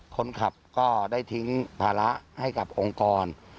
คนขับก็ได้ทิ้งภาระให้กับองค์กร